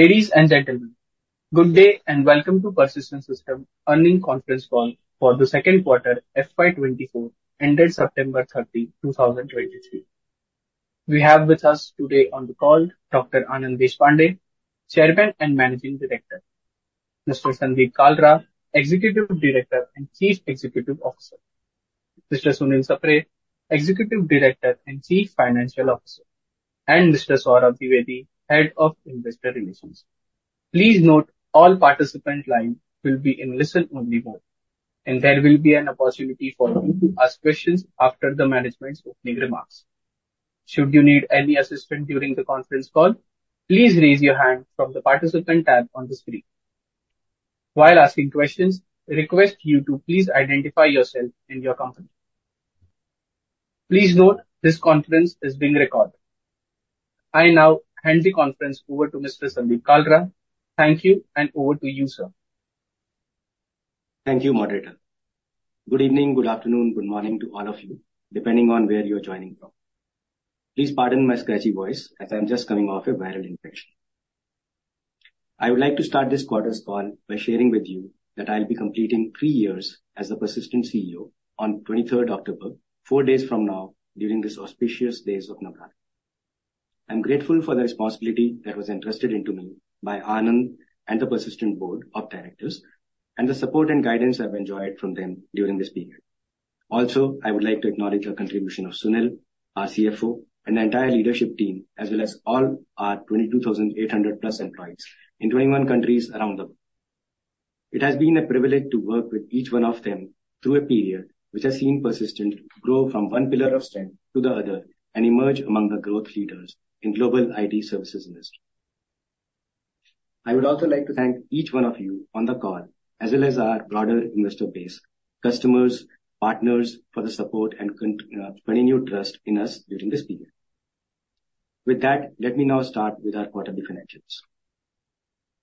Ladies and gentlemen, good day and welcome to Persistent Systems Earnings Conference Call for the second quarter, FY 2024, ended September 30, 2023. We have with us today on the call Dr. Anand Deshpande, Chairman and Managing Director. Mr. Sandeep Kalra, Executive Director and Chief Executive Officer. Mr. Sunil Sapre, Executive Director and Chief Financial Officer, and Mr. Saurabh Dwivedi, Head of Investor Relations. Please note all participant line will be in listen-only mode, and there will be an opportunity for you to ask questions after the management's opening remarks. Should you need any assistance during the conference call, please raise your hand from the Participant tab on the screen. While asking questions, request you to please identify yourself and your company. Please note this conference is being recorded. I now hand the conference over to Mr. Sandeep Kalra. Thank you, and over to you, sir. Thank you, moderator. Good evening, good afternoon, good morning to all of you, depending on where you're joining from. Please pardon my scratchy voice as I'm just coming off a viral infection. I would like to start this quarter's call by sharing with you that I'll be completing 3 years as a Persistent CEO on 23rd October, four days from now, during this auspicious days of Diwali. I'm grateful for the responsibility that was entrusted into me by Anand and the Persistent Board of Directors, and the support and guidance I've enjoyed from them during this period. Also, I would like to acknowledge the contribution of Sunil, our CFO, and the entire leadership team, as well as all our 22,800+ employees in 21 countries around the world. It has been a privilege to work with each one of them through a period which has seen Persistent grow from one pillar of strength to the other and emerge among the growth leaders in global IT services industry. I would also like to thank each one of you on the call, as well as our broader investor base, customers, partners, for the support and continued trust in us during this period. With that, let me now start with our quarter definitions.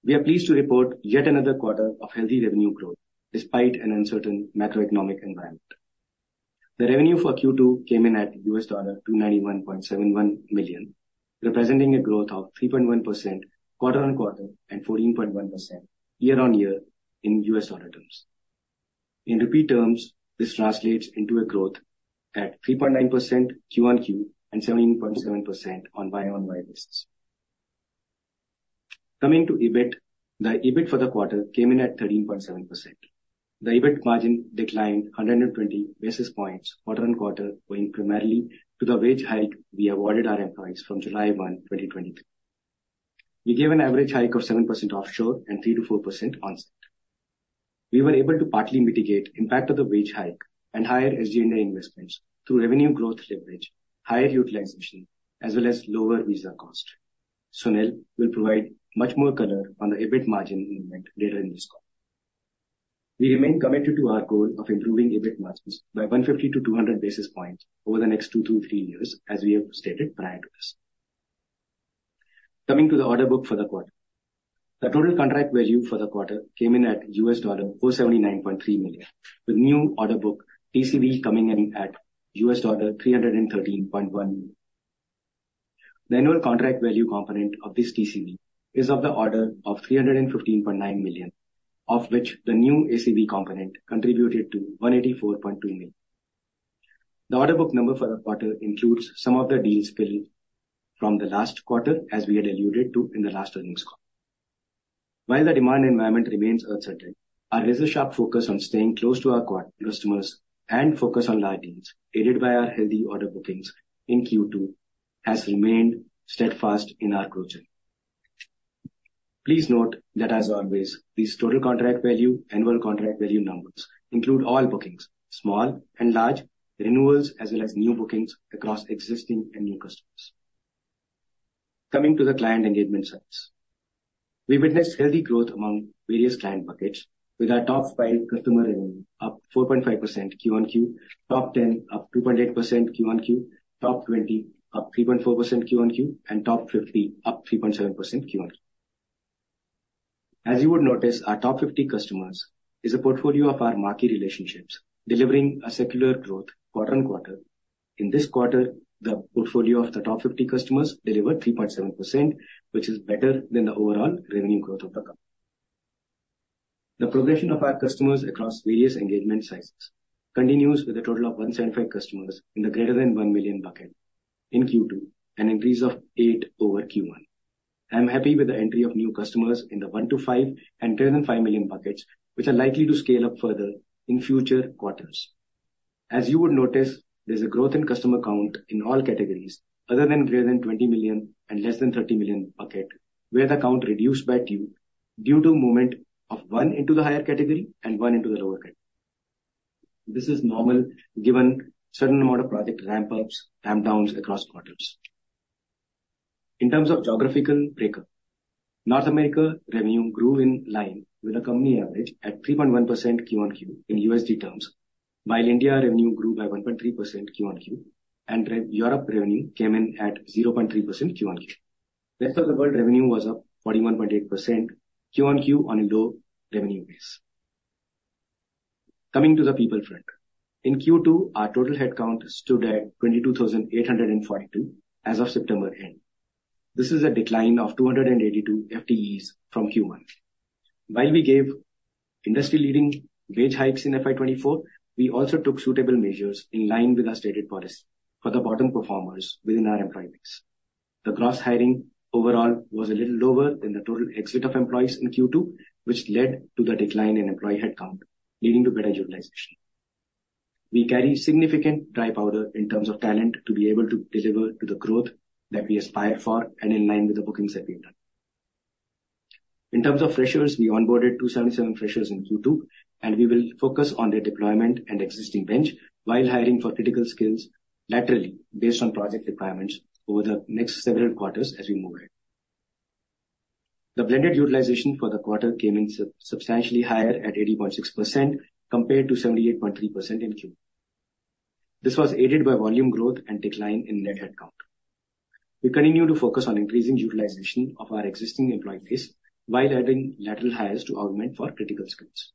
We are pleased to report yet another quarter of healthy revenue growth despite an uncertain macroeconomic environment. The revenue for Q2 came in at $291.71 million, representing a growth of 3.1% quarter-on-quarter and 14.1% year-on-year in US dollar terms. In rupee terms, this translates into a growth at 3.9% Q-o-Q and 17.7% on Y-o-Y basis. Coming to EBIT. The EBIT for the quarter came in at 13.7%. The EBIT margin declined 120 basis points, quarter-on-quarter, owing primarily to the wage hike we awarded our employees from July 1, 2023. We gave an average hike of 7% offshore and 3%-4% onsite. We were able to partly mitigate impact of the wage hike and higher SG&A investments through revenue growth leverage, higher utilization, as well as lower visa cost. Sunil will provide much more color on the EBIT margin movement later in this call. We remain committed to our goal of improving EBIT margins by 150-200 basis points over the next 2-3 years, as we have stated prior to this. Coming to the order book for the quarter. The total contract value for the quarter came in at $479.3 million, with new order book TCV coming in at $313.1 million. The annual contract value component of this TCV is of the order of $315.9 million, of which the new ACV component contributed to $184.2 million. The order book number for the quarter includes some of the deals spilled from the last quarter, as we had alluded to in the last earnings call. While the demand environment remains uncertain, our razor-sharp focus on staying close to our core customers and focus on large deals, aided by our healthy order bookings in Q2, has remained steadfast in our growth journey. Please note that, as always, these total contract value, annual contract value numbers include all bookings, small and large, renewals, as well as new bookings across existing and new customers. Coming to the client engagement size. We witnessed healthy growth among various client buckets, with our top five customer revenue up 4.5% Q-o-Q, top ten up 2.8% Q-o-Q, top twenty up 3.4% Q-o-Q, and top fifty up 3.7% Q-o-Q. As you would notice, our top fifty customers is a portfolio of our marquee relationships, delivering a secular growth quarter-on-quarter. In this quarter, the portfolio of the top 50 customers delivered 3.7%, which is better than the overall revenue growth of the company. The progression of our customers across various engagement sizes continues with a total of 175 customers in the greater than $1 million bucket in Q2, an increase of eight over Q1. I am happy with the entry of new customers in the $1-$5 million and greater than $5 million buckets, which are likely to scale up further in future quarters. As you would notice, there's a growth in customer count in all categories other than greater than $20 million and less than $30 million bucket, where the count reduced by 2 due to movement of one into the higher category and one into the lower category. This is normal, given certain amount of project ramp ups, ramp downs across quarters. In terms of geographical breakup, North America revenue grew in line with the company average at 3.1% Q-o-Q in USD terms, while India revenue grew by 1.3% Q-o-Q, and rest of Europe revenue came in at 0.3% Q-o-Q. Rest of the world revenue was up 41.8% Q-o-Q on a low revenue base. Coming to the people front. In Q2, our total headcount stood at 22,842 as of September end. This is a decline of 282 FTEs from Q1. While we gave industry-leading wage hikes in FY 2024, we also took suitable measures in line with our stated policy for the bottom performers within our employee base. The gross hiring overall was a little lower than the total exit of employees in Q2, which led to the decline in employee headcount, leading to better utilization. We carry significant dry powder in terms of talent to be able to deliver to the growth that we aspire for and in line with the bookings that we've done. In terms of freshers, we onboarded 277 freshers in Q2, and we will focus on their deployment and existing bench while hiring for critical skills laterally based on project requirements over the next several quarters as we move ahead. The blended utilization for the quarter came in substantially higher at 80.6%, compared to 78.3% in Q1. This was aided by volume growth and decline in net headcount. We continue to focus on increasing utilization of our existing employee base while adding lateral hires to augment for critical skills.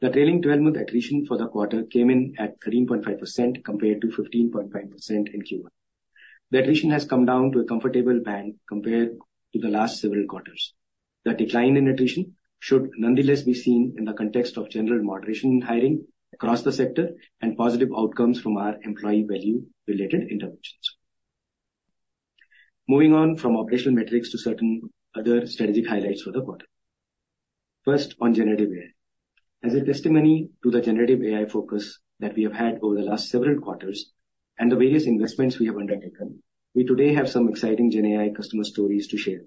The trailing twelve-month attrition for the quarter came in at 13.5%, compared to 15.5% in Q1. The attrition has come down to a comfortable band compared to the last several quarters. The decline in attrition should nonetheless be seen in the context of general moderation in hiring across the sector and positive outcomes from our employee value-related interventions. Moving on from operational metrics to certain other strategic highlights for the quarter. First, on generative AI. As a testimony to the generative AI focus that we have had over the last several quarters and the various investments we have undertaken, we today have some exciting Gen AI customer stories to share.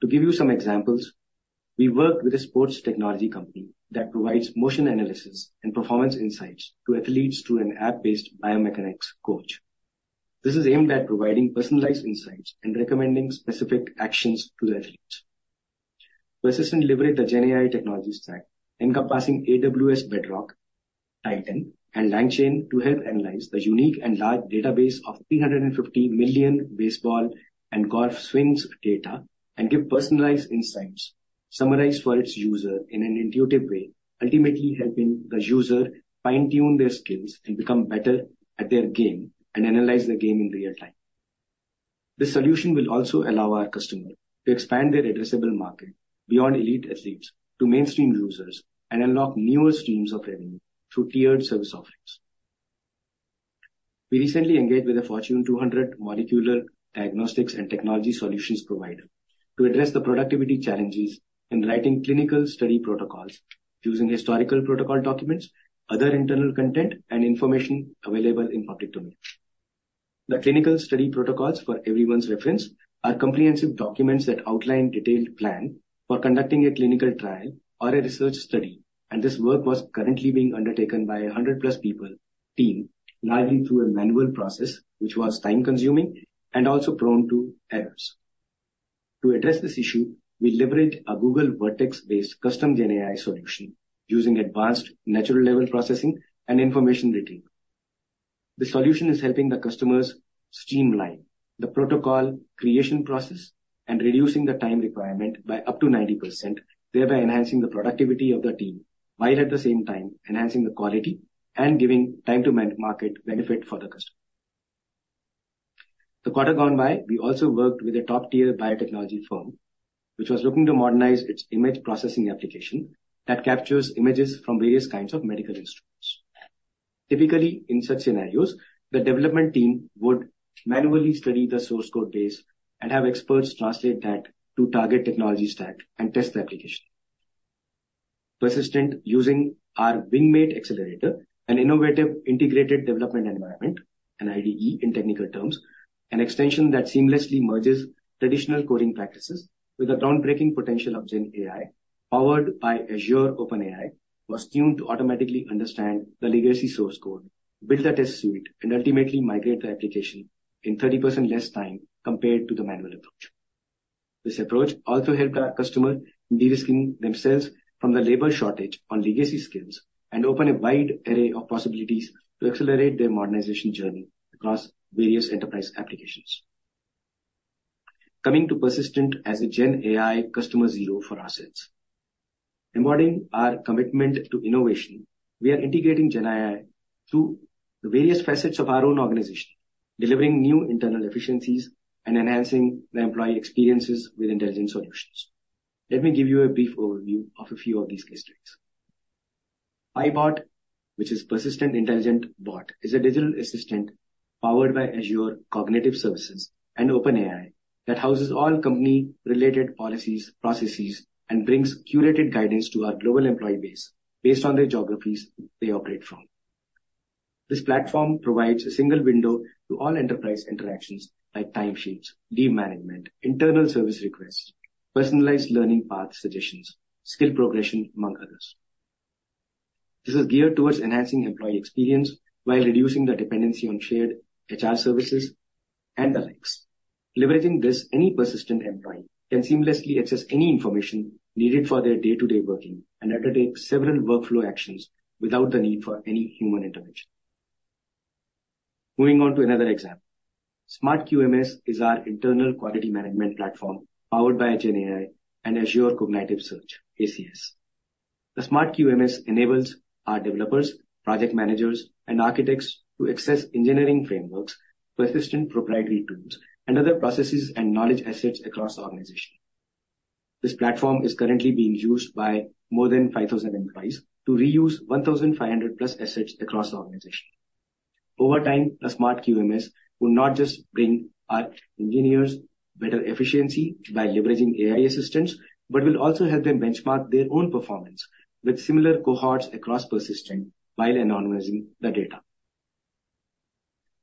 To give you some examples, we worked with a sports technology company that provides motion analysis and performance insights to athletes through an app-based biomechanics coach. This is aimed at providing personalized insights and recommending specific actions to the athletes. Persistent leveraged the Gen AI technology stack, encompassing AWS Bedrock, Titan, and LangChain to help analyze the unique and large database of 350 million baseball and golf swings data, and give personalized insights summarized for its user in an intuitive way, ultimately helping the user fine-tune their skills and become better at their game and analyze the game in real time. This solution will also allow our customer to expand their addressable market beyond elite athletes to mainstream users and unlock newer streams of revenue through tiered service offerings. We recently engaged with a Fortune 200 molecular diagnostics and technology solutions provider to address the productivity challenges in writing clinical study protocols using historical protocol documents, other internal content, and information available in public domain. The clinical study protocols, for everyone's reference, are comprehensive documents that outline detailed plan for conducting a clinical trial or a research study, and this work was currently being undertaken by a 100-plus people team, largely through a manual process, which was time-consuming and also prone to errors. To address this issue, we leveraged a Google Vertex AI-based custom GenAI solution using advanced natural language processing and information retrieval. The solution is helping the customers streamline the protocol creation process and reducing the time requirement by up to 90%, thereby enhancing the productivity of the team, while at the same time enhancing the quality and giving time to man-market benefit for the customer. The quarter gone by, we also worked with a top-tier biotechnology firm, which was looking to modernize its image processing application that captures images from various kinds of medical instruments. Typically, in such scenarios, the development team would manually study the source code base and have experts translate that to target technology stack and test the application. Persistent, using our Wingmate Accelerator, an innovative integrated development environment, an IDE in technical terms, an extension that seamlessly merges traditional coding practices with the groundbreaking potential of Gen AI, powered by Azure OpenAI, was tuned to automatically understand the legacy source code, build a test suite, and ultimately migrate the application in 30% less time compared to the manual approach. This approach also helped our customer de-risking themselves from the labor shortage on legacy skills and open a wide array of possibilities to accelerate their modernization journey across various enterprise applications. Coming to Persistent as a Gen AI customer zero for ourselves. Embodying our commitment to innovation, we are integrating Gen AI through the various facets of our own organization, delivering new internal efficiencies and enhancing the employee experiences with intelligent solutions. Let me give you a brief overview of a few of these case studies. PiBot, which is Persistent Intelligent Bot, is a digital assistant powered by Azure Cognitive Services and OpenAI that houses all company-related policies, processes, and brings curated guidance to our global employee base based on the geographies they operate from. This platform provides a single window to all enterprise interactions, like timesheets, leave management, internal service requests, personalized learning path suggestions, skill progression, among others. This is geared towards enhancing employee experience while reducing the dependency on shared HR services and the likes. Leveraging this, any Persistent employee can seamlessly access any information needed for their day-to-day working and undertake several workflow actions without the need for any human intervention.… Moving on to another example. Smart QMS is our internal quality management platform, powered by GenAI and Azure Cognitive Search, ACS. The Smart QMS enables our developers, project managers, and architects to access engineering frameworks, Persistent proprietary tools, and other processes and knowledge assets across the organization. This platform is currently being used by more than 5,000 employees to reuse 1,500+ assets across the organization. Over time, the Smart QMS will not just bring our engineers better efficiency by leveraging AI assistance, but will also help them benchmark their own performance with similar cohorts across Persistent while anonymizing the data.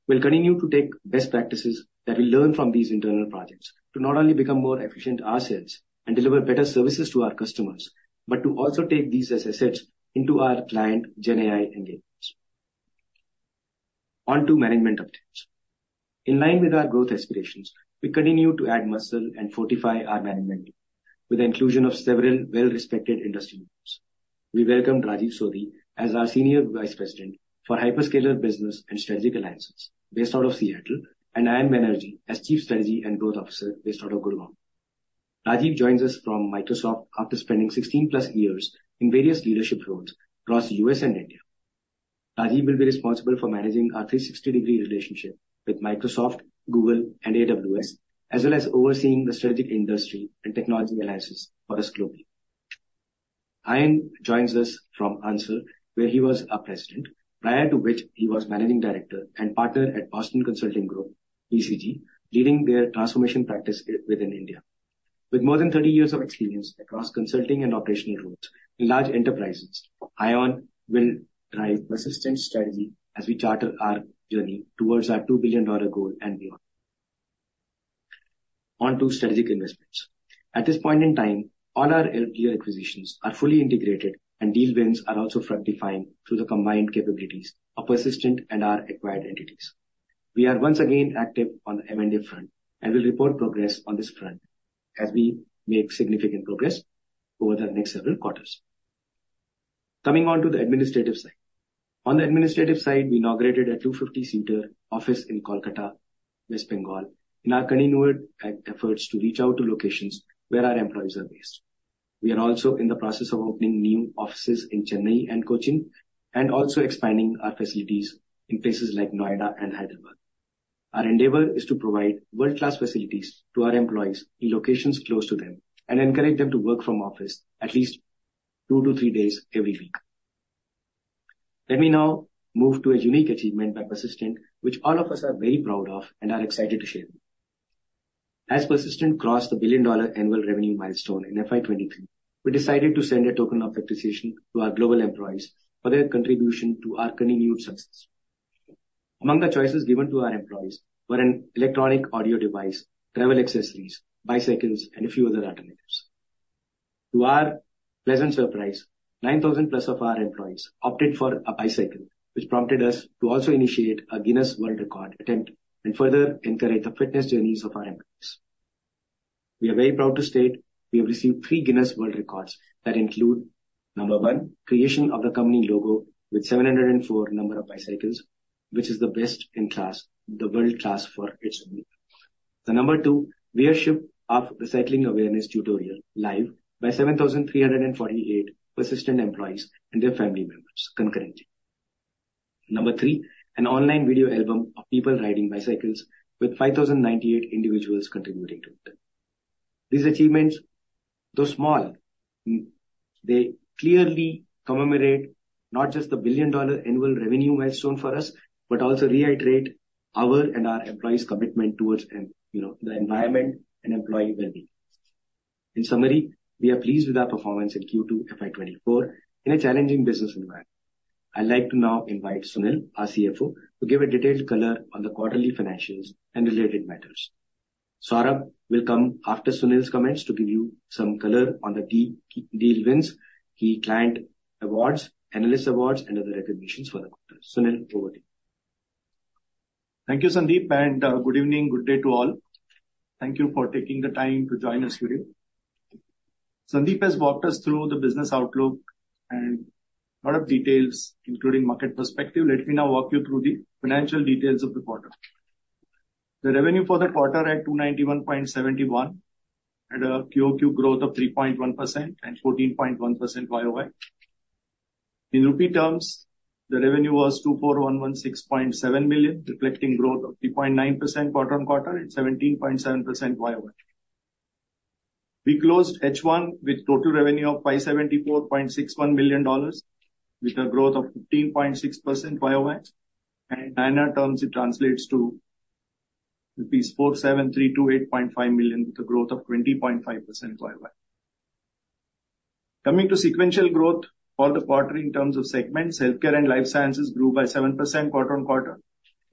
We'll continue to take best practices that we learn from these internal projects to not only become more efficient ourselves and deliver better services to our customers, but to also take these assets into our client GenAI engagements. On to management updates. In line with our growth aspirations, we continue to add muscle and fortify our management with the inclusion of several well-respected industry groups. We welcome Rajiv Sodhi as our Senior Vice President for Hyperscaler Business and Strategic Alliances based out of Seattle, and Ayon Banerjee as Chief Strategy and Growth Officer based out of Gurgaon. Rajiv joins us from Microsoft after spending 16+ years in various leadership roles across U.S. and India. Rajiv will be responsible for managing our 360-degree relationship with Microsoft, Google, and AWS, as well as overseeing the strategic industry and technology alliances for us globally. Ayon joins us from Avasant, where he was our president, prior to which he was Managing Director and Partner at Boston Consulting Group, BCG, leading their transformation practice within India. With more than 30 years of experience across consulting and operational roles in large enterprises, Ayon will drive Persistent strategy as we charter our journey towards our $2 billion goal and beyond. On to strategic investments. At this point in time, all our earlier acquisitions are fully integrated, and deal wins are also fructifying through the combined capabilities of Persistent and our acquired entities. We are once again active on the M&A front, and will report progress on this front as we make significant progress over the next several quarters. Coming on to the administrative side. On the administrative side, we inaugurated a 250-seater office in Kolkata, West Bengal, in our continued efforts to reach out to locations where our employees are based. We are also in the process of opening new offices in Chennai and Cochin, and also expanding our facilities in places like Noida and Hyderabad. Our endeavor is to provide world-class facilities to our employees in locations close to them, and encourage them to work from office at least two to three days every week. Let me now move to a unique achievement by Persistent, which all of us are very proud of and are excited to share. As Persistent crossed the billion-dollar annual revenue milestone in FY 2023, we decided to send a token of appreciation to our global employees for their contribution to our continued success. Among the choices given to our employees were an electronic audio device, travel accessories, bicycles, and a few other alternatives. To our pleasant surprise, 9,000+ of our employees opted for a bicycle, which prompted us to also initiate a Guinness World Records attempt and further encourage the fitness journeys of our employees. We are very proud to state we have received three Guinness World Records that include, number one, creation of the company logo with 704 bicycles, which is the best in class, the world class for its unique. Number 2, viewership of recycling awareness tutorial live by 7,348 Persistent employees and their family members concurrently. Number 3, an online video album of people riding bicycles with 5,098 individuals contributing to it. These achievements, though small, they clearly commemorate not just the billion-dollar annual revenue milestone for us, but also reiterate our and our employees' commitment towards, you know, the environment and employee wellbeing. In summary, we are pleased with our performance in Q2 FY 2024 in a challenging business environment. I'd like to now invite Sunil, our CFO, to give a detailed color on the quarterly financials and related matters. Saurabh will come after Sunil's comments to give you some color on the key key deal wins, key client awards, analyst awards, and other recognitions for the quarter. Sunil, over to you. Thank you, Sandeep, and good evening, good day to all. Thank you for taking the time to join us today. Sandeep has walked us through the business outlook and a lot of details, including market perspective. Let me now walk you through the financial details of the quarter. The revenue for the quarter at $291.71 million had a Q-o-Q growth of 3.1% and 14.1% Y-o-Y. In rupee terms, the revenue was 24,116.7 million, reflecting growth of 3.9% quarter-on-quarter and 17.7% Y-o-Y. We closed H1 with total revenue of $574.61 million, with a growth of 15.6% Y-o-Y. In INR terms, it translates to rupees 47,328.5 million, with a growth of 20.5% Y-o-Y. Coming to sequential growth for the quarter in terms of segments, healthcare and life sciences grew by 7% quarter-on-quarter.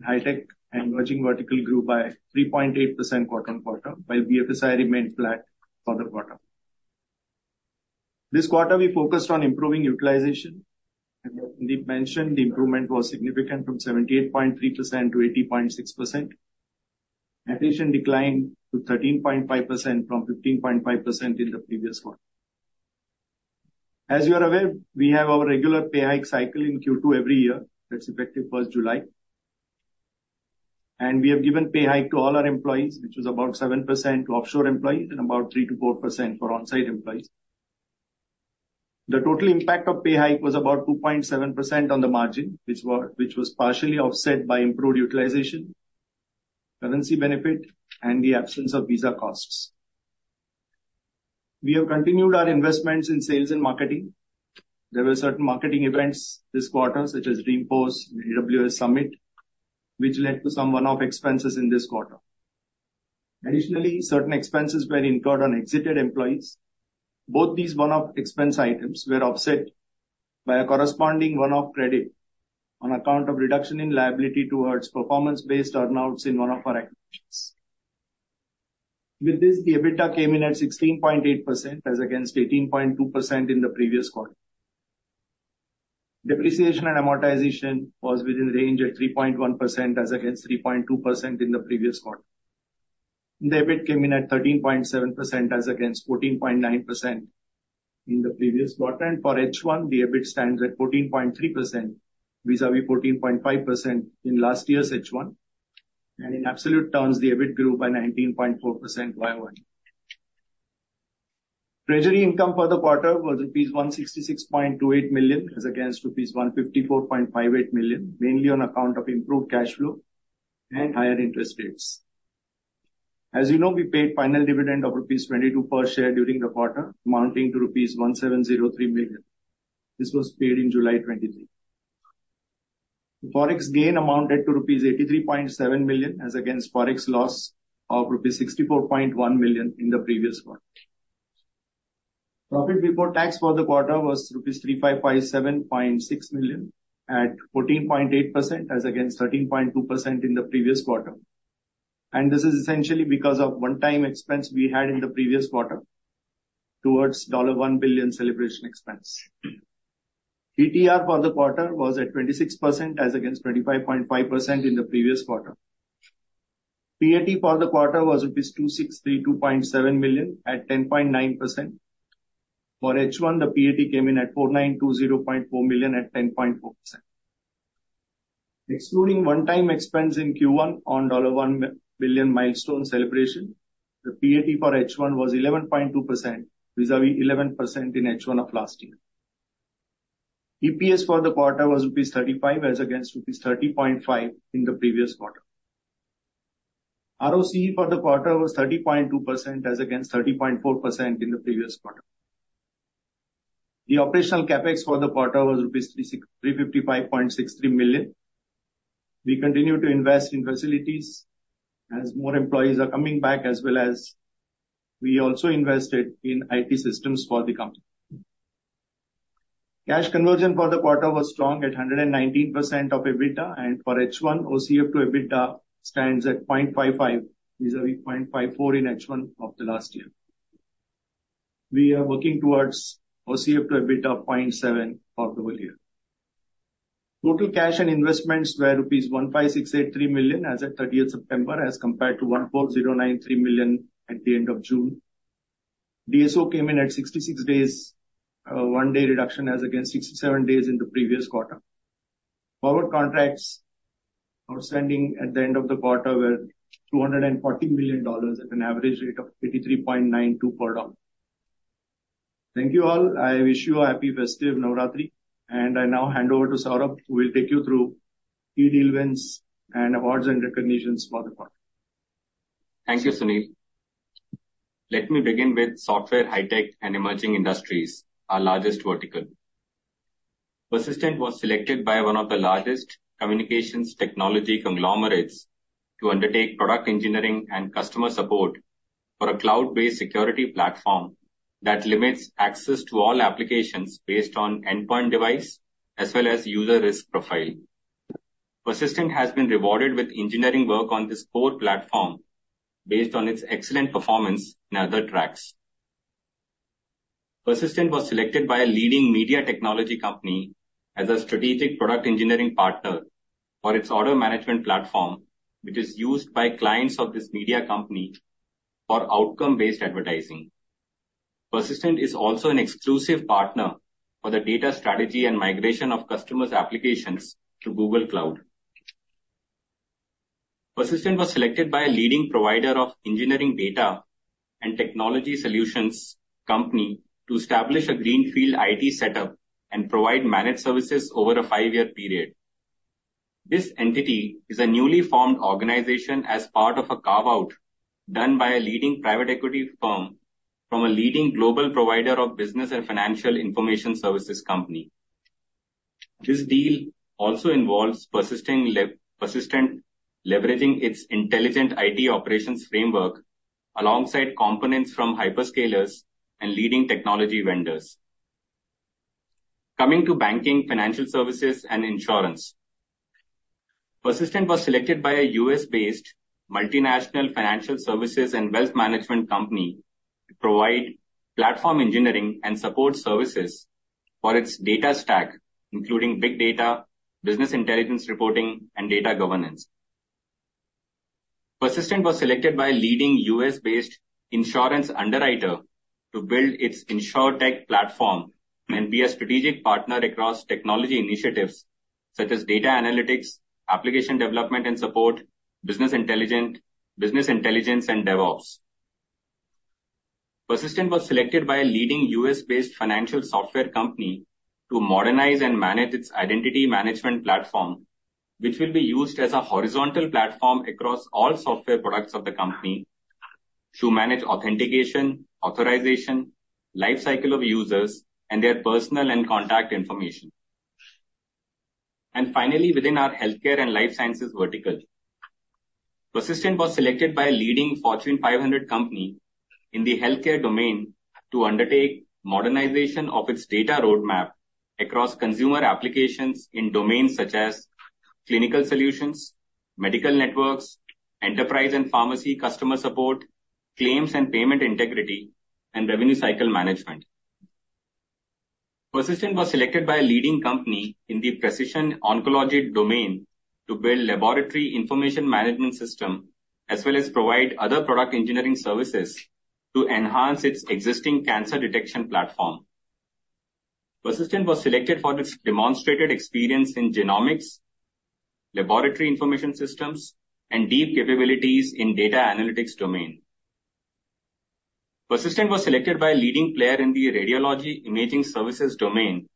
High tech and emerging vertical grew by 3.8% quarter-on-quarter, while BFSI remained flat for the quarter. This quarter, we focused on improving utilization, and as Sandeep mentioned, the improvement was significant, from 78.3% to 80.6%. Attrition declined to 13.5% from 15.5% in the previous one. As you are aware, we have our regular pay hike cycle in Q2 every year. That's effective first July. And we have given pay hike to all our employees, which was about 7% to offshore employees and about 3%-4% for on-site employees. The total impact of pay hike was about 2.7% on the margin, which was partially offset by improved utilization, currency benefit, and the absence of visa costs. We have continued our investments in sales and marketing. There were certain marketing events this quarter, such as re:Post and AWS Summit, which led to some one-off expenses in this quarter. Additionally, certain expenses were incurred on exited employees. Both these one-off expense items were offset by a corresponding one-off credit on account of reduction in liability towards performance-based earnouts in one of our acquisitions. With this, the EBITDA came in at 16.8%, as against 18.2% in the previous quarter. Depreciation and amortization was within range at 3.1%, as against 3.2% in the previous quarter. The EBIT came in at 13.7%, as against 14.9% in the previous quarter. For H1, the EBIT stands at 14.3%, vis-à-vis 14.5% in last year's H1. In absolute terms, the EBIT grew by 19.4% Y-o-Y. Treasury income for the quarter was rupees 166.28 million, as against rupees 154.58 million, mainly on account of improved cash flow and higher interest rates. As you know, we paid final dividend of rupees 22 per share during the quarter, amounting to rupees 1,703 million. This was paid in July 2023. The Forex gain amounted to rupees 83.7 million, as against Forex loss of rupees 64.1 million in the previous quarter. Profit before tax for the quarter was rupees 3,557.6 million at 14.8%, as against 13.2% in the previous quarter. This is essentially because of one-time expense we had in the previous quarter towards $1 billion celebration expense. ETR for the quarter was at 26%, as against 25.5% in the previous quarter. PAT for the quarter was rupees 2,632.7 million at 10.9%. For H1, the PAT came in at 4,920.4 million at 10.4%. Excluding one-time expense in Q1 on $1 billion milestone celebration, the PAT for H1 was 11.2%, vis-à-vis 11% in H1 of last year. EPS for the quarter was rupees 35, as against rupees 30.5 in the previous quarter. ROC for the quarter was 30.2%, as against 30.4% in the previous quarter. The operational CapEx for the quarter was rupees 355.63 million. We continue to invest in facilities as more employees are coming back, as well as we also invested in IT systems for the company. Cash conversion for the quarter was strong at 119% of EBITDA, and for H1, OCF to EBITDA stands at 0.55, vis-à-vis 0.54 in H1 of the last year. We are working towards OCF to EBITDA of 0.7 for the whole year. Total cash and investments were 1,568.3 million rupees as at thirtieth September, as compared to 1,409.3 million at the end of June. DSO came in at 66 days, one day reduction, as against 67 days in the previous quarter. Forward contracts outstanding at the end of the quarter were $240 million at an average rate of 83.92 per dollar. Thank you, all. I wish you a happy festive Navratri, and I now hand over to Saurabh, who will take you through key deal wins and awards and recognitions for the quarter. Thank you, Sunil. Let me begin with software, high tech, and emerging industries, our largest vertical. Persistent was selected by one of the largest communications technology conglomerates to undertake product engineering and customer support for a cloud-based security platform that limits access to all applications based on endpoint device as well as user risk profile. Persistent has been rewarded with engineering work on this core platform based on its excellent performance in other tracks. Persistent was selected by a leading media technology company as a strategic product engineering partner for its order management platform, which is used by clients of this media company for outcome-based advertising. Persistent is also an exclusive partner for the data strategy and migration of customers' applications to Google Cloud. Persistent was selected by a leading provider of engineering data and technology solutions company to establish a greenfield IT setup and provide managed services over a five-year period. This entity is a newly formed organization as part of a carve-out done by a leading private equity firm from a leading global provider of business and financial information services company. This deal also involves Persistent leveraging its intelligent IT operations framework alongside components from hyperscalers and leading technology vendors. Coming to banking, financial services, and insurance. Persistent was selected by a U.S.-based multinational financial services and wealth management company to provide platform engineering and support services for its data stack, including big data, business intelligence reporting, and data governance. Persistent was selected by a leading U.S.-based insurance underwriter to build its insured tech platform and be a strategic partner across technology initiatives such as data analytics, application development and support, business intelligence, and DevOps. Persistent was selected by a leading U.S.-based financial software company to modernize and manage its identity management platform, which will be used as a horizontal platform across all software products of the company to manage authentication, authorization, life cycle of users, and their personal and contact information. And finally, within our healthcare and life sciences vertical, Persistent was selected by a leading Fortune 500 company in the healthcare domain to undertake modernization of its data roadmap across consumer applications in domains such as clinical solutions, medical networks, enterprise and pharmacy, customer support, claims and payment integrity, and revenue cycle management. Persistent was selected by a leading company in the precision oncology domain to build laboratory information management system, as well as provide other product engineering services to enhance its existing cancer detection platform. Persistent was selected for its demonstrated experience in genomics, laboratory information systems, and deep capabilities in data analytics domain. Persistent was selected by a leading player in the radiology imaging services domain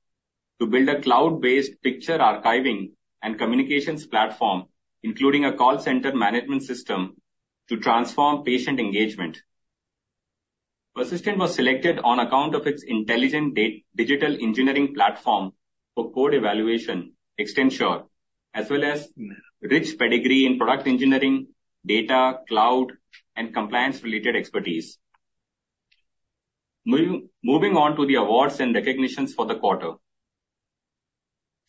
to build a cloud-based picture archiving and communications platform, including a call center management system, to transform patient engagement. Persistent was selected on account of its intelligent digital engineering platform for code evaluation, Extensure, as well as rich pedigree in product engineering, data, cloud, and compliance-related expertise. Moving on to the awards and recognitions for the quarter.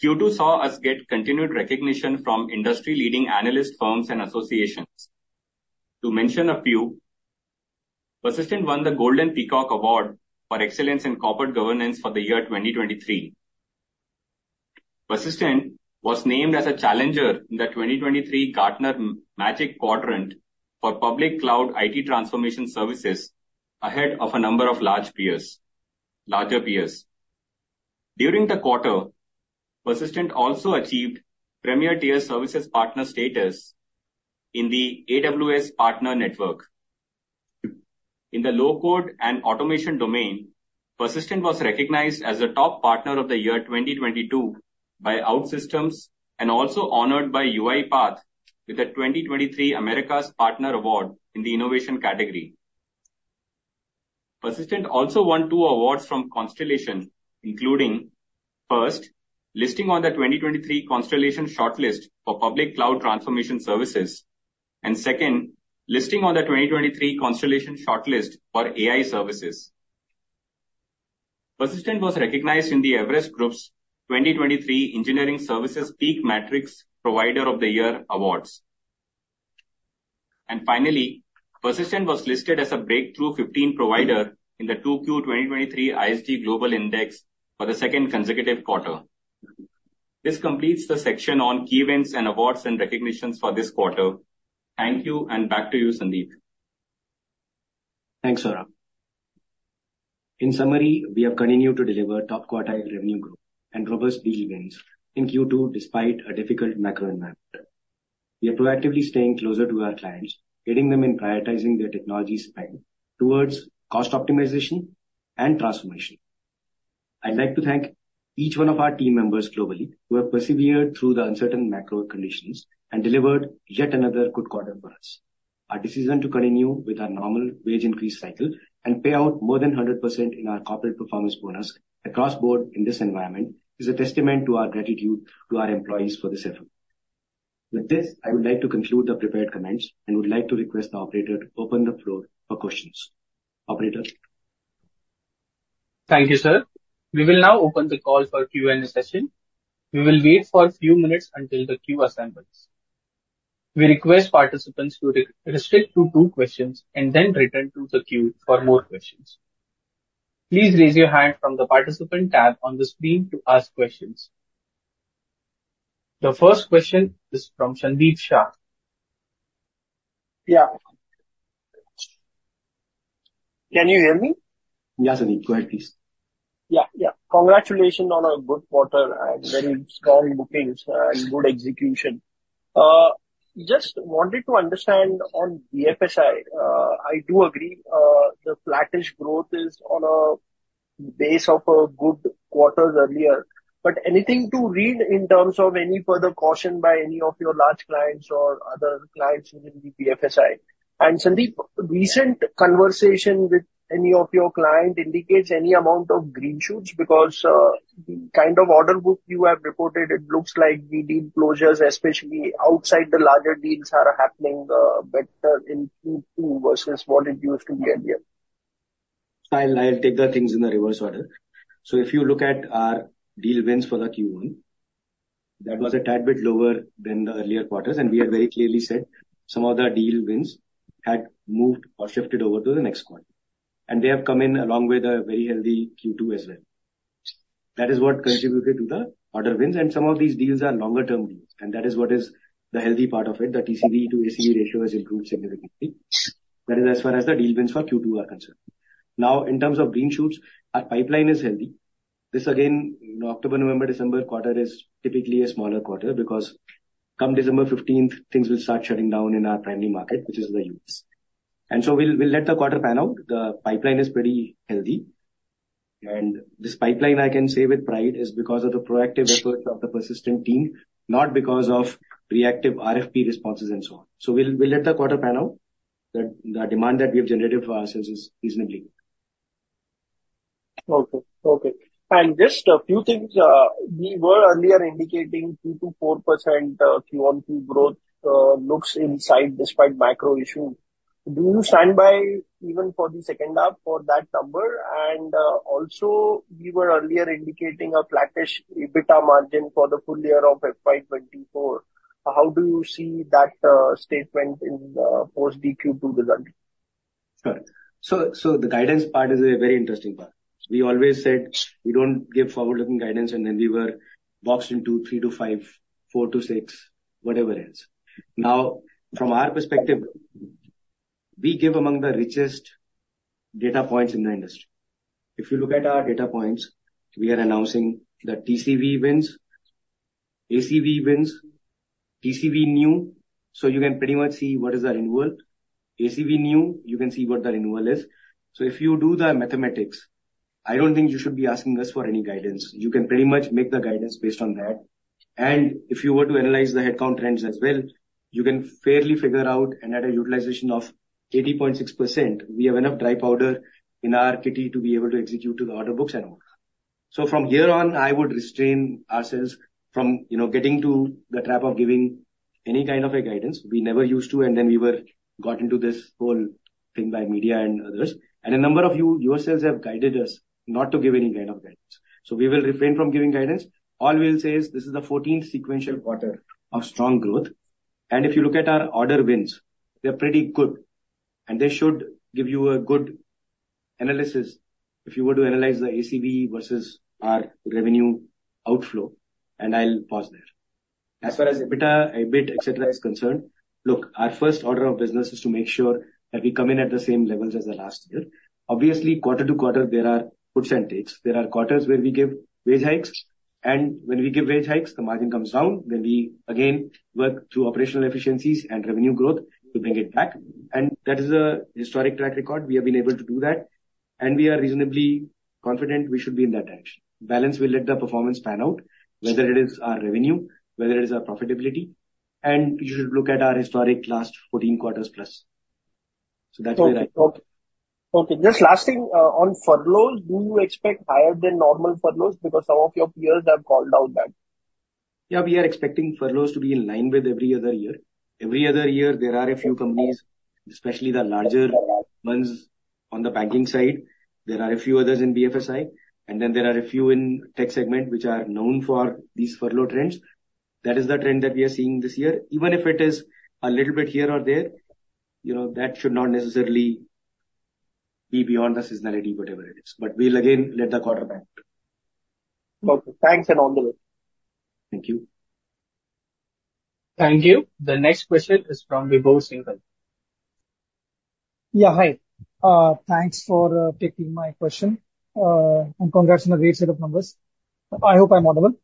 Q2 saw us get continued recognition from industry-leading analyst firms and associations. To mention a few, Persistent won the Golden Peacock Award for excellence in corporate governance for the year 2023. Persistent was named as a challenger in the 2023 Gartner Magic Quadrant for public cloud IT transformation services, ahead of a number of large peers... larger peers. During the quarter, Persistent also achieved Premier Tier Services partner status in the AWS partner network. In the low-code and automation domain, Persistent was recognized as the top partner of the year 2022 by OutSystems, and also honored by UiPath with the 2023 Americas Partner Award in the innovation category. Persistent also won two awards from Constellation, including, first, listing on the 2023 Constellation shortlist for public cloud transformation services, and second, listing on the 2023 Constellation shortlist for AI services. Persistent was recognized in the Everest Group's 2023 Engineering Services Peak Matrix Provider of the Year awards. And finally, Persistent was listed as a Breakthrough Fifteen provider in the 2Q 2023 ISG Global Index for the second consecutive quarter. This completes the section on key events and awards and recognitions for this quarter. Thank you, and back to you, Sandeep. Thanks, Saurabh. In summary, we have continued to deliver top-quartile revenue growth and robust deal events in Q2, despite a difficult macro environment. We are proactively staying closer to our clients, helping them in prioritizing their technology spend towards cost optimization and transformation. I'd like to thank each one of our team members globally, who have persevered through the uncertain macro conditions and delivered yet another good quarter for us. Our decision to continue with our normal wage increase cycle and pay out more than 100% in our corporate performance bonus across board in this environment, is a testament to our gratitude to our employees for this effort. With this, I would like to conclude the prepared comments, and would like to request the operator to open the floor for questions. Operator? Thank you, sir. We will now open the call for Q&A session. We will wait for a few minutes until the queue assembles. We request participants to restrict to two questions, and then return to the queue for more questions. Please raise your hand from the participant tab on the screen to ask questions. The first question is from Sandeep Shah. Yeah. Can you hear me? Yes, Sandeep, go ahead, please. Yeah, yeah. Congratulations on a good quarter and very strong bookings, and good execution. Just wanted to understand on BFSI, I do agree, the flattish growth is on a base of a good quarters earlier. But anything to read in terms of any further caution by any of your large clients or other clients within the BFSI? And Sandeep, recent conversation with any of your client indicates any amount of green shoots? Because, the kind of order book you have reported, it looks like the deal closures, especially outside the larger deals, are happening, better in Q2 versus what it used to be earlier. I'll, I'll take the things in the reverse order. So if you look at our deal wins for the Q1, that was a tad bit lower than the earlier quarters, and we have very clearly said some of the deal wins had moved or shifted over to the next quarter. They have come in along with a very healthy Q2 as well. That is what contributed to the order wins, and some of these deals are longer term deals, and that is what is the healthy part of it. The TCV to ACV ratio has improved significantly. That is as far as the deal wins for Q2 are concerned. Now, in terms of green shoots, our pipeline is healthy. This again, October, November, December quarter is typically a smaller quarter because come December fifteenth, things will start shutting down in our primary market, which is the U.S. We'll, we'll let the quarter pan out. The pipeline is pretty healthy, and this pipeline, I can say with pride, is because of the proactive efforts of the Persistent team, not because of reactive RFP responses and so on. We'll, we'll let the quarter pan out. The demand that we have generated for ourselves is reasonably good. Okay. Okay. And just a few things, we were earlier indicating 2%-4% Q-o-P growth looks in sight despite macro issues. Do you stand by even for the second half for that number? And, also, we were earlier indicating a flattish EBITDA margin for the full year of FY 2024. How do you see that statement in the post-Q2 result? Sure. So, the guidance part is a very interesting part. We always said we don't give forward-looking guidance, and then we were boxed into 3-5, 4-6, whatever it is. Now, from our perspective, we give among the richest data points in the industry. If you look at our data points, we are announcing the TCV wins, ACV wins, TCV new, so you can pretty much see what is the inward. ACV new, you can see what the renewal is. So if you do the mathematics, I don't think you should be asking us for any guidance. You can pretty much make the guidance based on that. If you were to analyze the headcount trends as well, you can fairly figure out and at a utilization of 80.6%, we have enough dry powder in our kitty to be able to execute to the order books and all. So from here on, I would restrain ourselves from, you know, getting to the trap of giving any kind of a guidance. We never used to, and then we were got into this whole thing by media and others. A number of you, yourselves, have guided us not to give any kind of guidance. So we will refrain from giving guidance. All we'll say is this is the 14th sequential quarter of strong growth, and if you look at our order wins, they're pretty good, and they should give you a good analysis if you were to analyze the ACV versus our revenue outflow, and I'll pause there. As far as EBITDA, EBIT, et cetera, is concerned, look, our first order of business is to make sure that we come in at the same levels as the last year. Obviously, quarter-to-quarter, there are puts and takes. There are quarters where we give wage hikes, and when we give wage hikes, the margin comes down. Then we again work through operational efficiencies and revenue growth to bring it back, and that is a historic track record. We have been able to do that, and we are reasonably confident we should be in that direction. Balance will let the performance pan out, whether it is our revenue, whether it is our profitability, and you should look at our historic last 14 quarters plus. So that's where we are at. Okay. Okay, just last thing, on furloughs, do you expect higher than normal furloughs? Because some of your peers have called out that. Yeah, we are expecting furloughs to be in line with every other year. Every other year, there are a few companies, especially the larger ones on the banking side. There are a few others in BFSI, and then there are a few in tech segment, which are known for these furlough trends. That is the trend that we are seeing this year. Even if it is a little bit here or there, you know, that should not necessarily be beyond the seasonality, whatever it is. But we'll again let the quarter pan out. Okay. Thanks, and all the best. Thank you. Thank you. The next question is from Vibhu Singhal. Yeah, hi. Thanks for taking my question, and congrats on a great set of numbers. I hope I'm audible.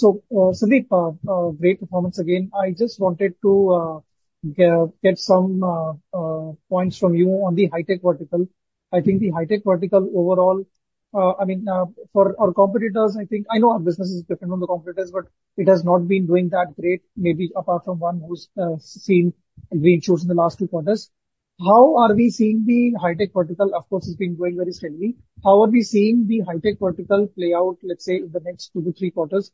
So, Sandeep, great performance again. I just wanted to get some points from you on the high tech vertical. I think the high tech vertical overall, I mean, for our competitors, I think... I know our business is different from the competitors, but it has not been doing that great, maybe apart from one who's seen green shoots in the last two quarters. How are we seeing the high tech vertical? Of course, it's been growing very steadily. How are we seeing the high tech vertical play out, let's say, in the next two to three quarters?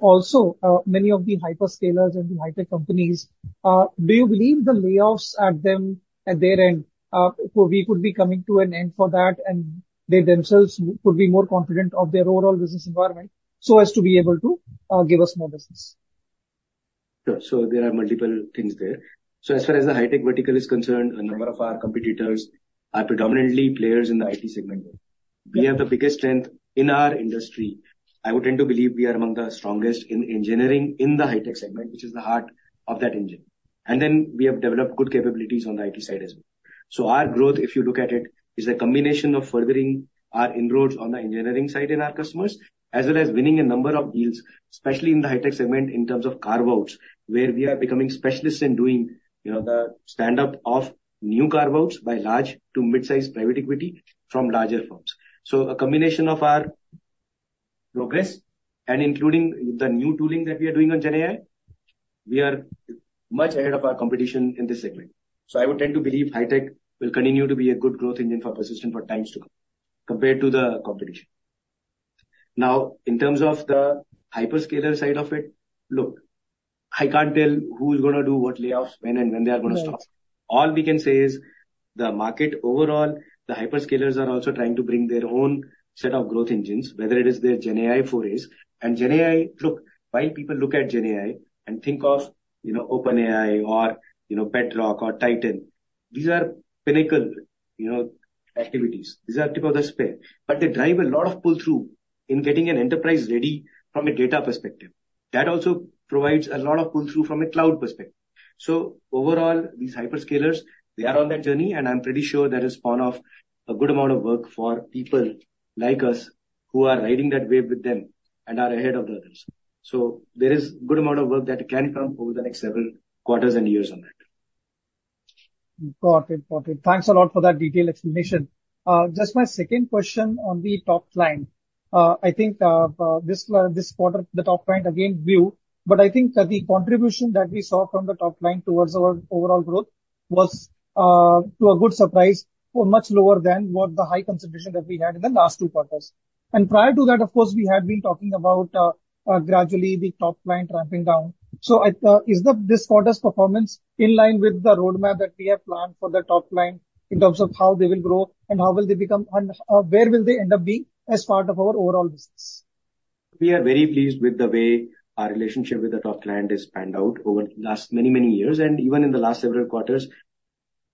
Also, many of the hyperscalers and the high tech companies, do you believe the layoffs at them, at their end, could be coming to an end for that, and they themselves could be more confident of their overall business environment so as to be able to give us more business? Sure. So there are multiple things there. So as far as the high tech vertical is concerned, a number of our competitors are predominantly players in the IT segment. We have the biggest strength in our industry. I would tend to believe we are among the strongest in engineering in the high tech segment, which is the heart of that engine. And then we have developed good capabilities on the IT side as well. So our growth, if you look at it, is a combination of furthering our inroads on the engineering side in our customers, as well as winning a number of deals, especially in the high tech segment, in terms of carve-outs, where we are becoming specialists in doing, you know, the stand-up of new carve-outs by large to mid-size private equity from larger firms. So a combination of our progress and including the new tooling that we are doing on GenAI, we are much ahead of our competition in this segment. So I would tend to believe high tech will continue to be a good growth engine for Persistent for times to come, compared to the competition. Now, in terms of the hyperscaler side of it, look, I can't tell who is gonna do what layoffs, when and when they are gonna stop. Right. All we can say is the market overall, the hyperscalers are also trying to bring their own set of growth engines, whether it is their GenAI forays. And GenAI, look, while people look at GenAI and think of, you know, OpenAI or, you know, Bedrock or Titan. These are pinnacle, you know, activities. These are tip of the spear, but they drive a lot of pull-through in getting an enterprise ready from a data perspective. That also provides a lot of pull-through from a cloud perspective. So overall, these hyperscalers, they are on that journey, and I'm pretty sure there is spin off a good amount of work for people like us who are riding that wave with them and are ahead of the others. So there is good amount of work that can come over the next several quarters and years on that. Got it. Got it. Thanks a lot for that detailed explanation. Just my second question on the top line. I think, this quarter, the top line again grew, but I think that the contribution that we saw from the top line towards our overall growth was, to a good surprise, were much lower than what the high contribution that we had in the last two quarters. And prior to that, of course, we had been talking about, gradually the top line ramping down. So I, is the—this quarter's performance in line with the roadmap that we have planned for the top line in terms of how they will grow and how will they become and, where will they end up being as part of our overall business? We are very pleased with the way our relationship with the top client has panned out over the last many, many years, and even in the last several quarters.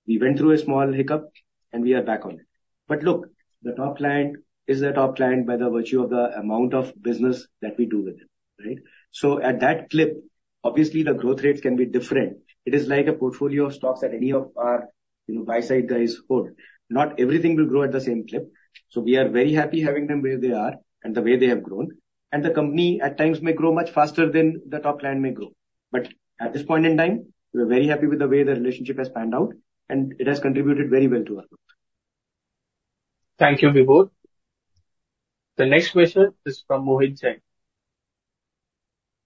We went through a small hiccup, and we are back on it. But look, the top client is a top client by the virtue of the amount of business that we do with them, right? So at that clip, obviously the growth rates can be different. It is like a portfolio of stocks that any of our, you know, buy side guys hold. Not everything will grow at the same clip. So we are very happy having them where they are and the way they have grown, and the company at times may grow much faster than the top client may grow. At this point in time, we are very happy with the way the relationship has panned out, and it has contributed very well to our growth. Thank you, Vibhor. The next question is from Mohit Jain.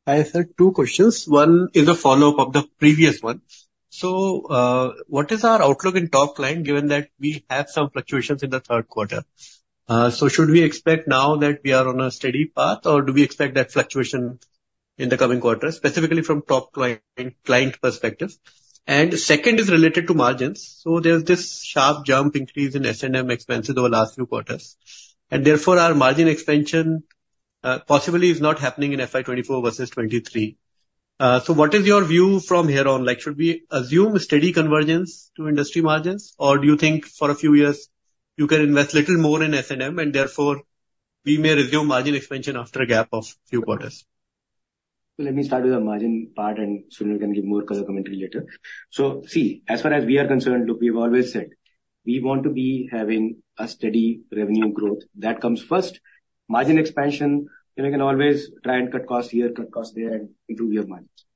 I have, sir, two questions. One is a follow-up of the previous one. So, what is our outlook in top line, given that we have some fluctuations in the third quarter? So should we expect now that we are on a steady path, or do we expect that fluctuation in the coming quarters, specifically from top client, client perspective? And second is related to margins. So there's this sharp jump increase in S&M expenses over the last few quarters, and therefore our margin expansion, possibly is not happening in FY 2024 versus 2023. So what is your view from here on? Like, should we assume steady convergence to industry margins, or do you think for a few years you can invest little more in S&M and therefore we may resume margin expansion after a gap of few quarters? Let me start with the margin part, and Sunil can give more color commentary later. See, as far as we are concerned, look, we've always said we want to be having a steady revenue growth. That comes first. Margin expansion, you know, we can always try and cut costs here, cut costs there, and improve your margins.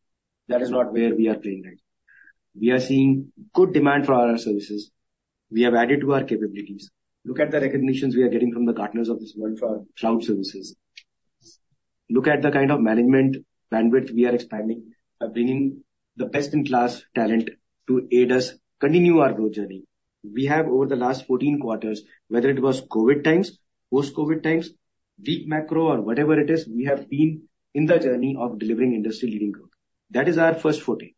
That is not where we are playing right now. We are seeing good demand for our services. We have added to our capabilities. Look at the recognitions we are getting from the partners of this world for our cloud services. Look at the kind of management bandwidth we are expanding by bringing the best-in-class talent to aid us continue our growth journey. We have over the last 14 quarters, whether it was COVID times, post-COVID times, weak macro or whatever it is, we have been in the journey of delivering industry-leading growth. That is our first forte.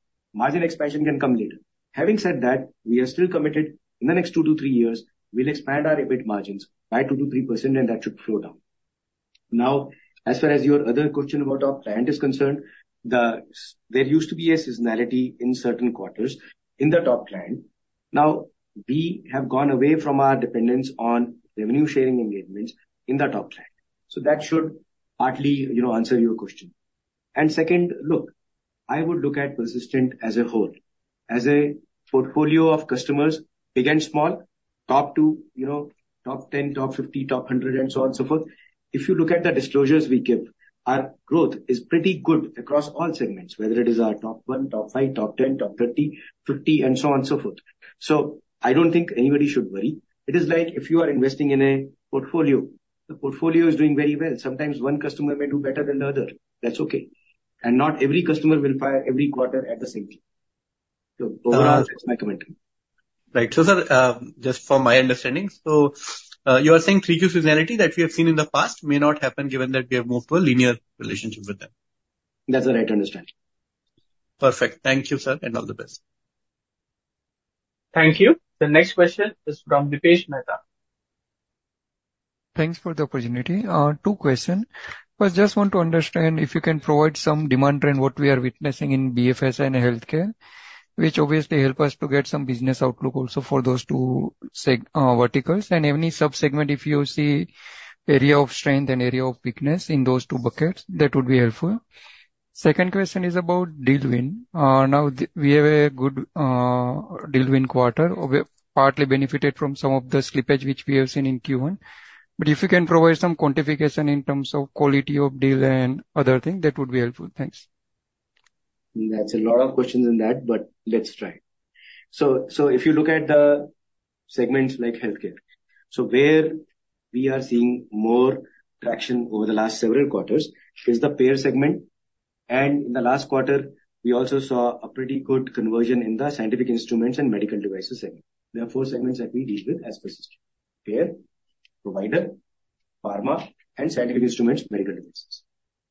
Margin expansion can come later. Having said that, we are still committed. In the next 2-3 years, we'll expand our EBIT margins by 2%-3%, and that should flow down. Now, as far as your other question about our client is concerned, there used to be a seasonality in certain quarters in the top client. Now, we have gone away from our dependence on revenue sharing engagements in the top client. So that should partly, you know, answer your question. And second, look, I would look at Persistent as a whole, as a portfolio of customers, big and small, top two, you know, top 10, top 50, top 100, and so on and so forth. If you look at the disclosures we give, our growth is pretty good across all segments, whether it is our top one, top five, top 10, top 30, 50, and so on and so forth. I don't think anybody should worry. It is like if you are investing in a portfolio, the portfolio is doing very well. Sometimes one customer may do better than the other. That's okay. Not every customer will fire every quarter at the same time. Overall, that's my commentary. Right. So, sir, just for my understanding, so, you are saying Q3 seasonality that we have seen in the past may not happen, given that we have moved to a linear relationship with them? That's the right understanding. Perfect. Thank you, sir, and all the best. Thank you. The next question is from Dipesh Mehta. Thanks for the opportunity. Two questions. First, just want to understand if you can provide some demand trend, what we are witnessing in BFS and healthcare, which obviously help us to get some business outlook also for those two segments, verticals. And any sub-segment, if you see area of strength and area of weakness in those two buckets, that would be helpful. Second question is about deal win. Now the, we have a good, deal win quarter. We partly benefited from some of the slippage which we have seen in Q1. But if you can provide some quantification in terms of quality of deal and other things, that would be helpful. Thanks. That's a lot of questions in that, but let's try. So, so if you look at the segments like healthcare, so where we are seeing more traction over the last several quarters is the payer segment, and in the last quarter, we also saw a pretty good conversion in the scientific instruments and medical devices segment. There are four segments that we deal with as Persistent: payer, provider, pharma, and scientific instruments, medical devices.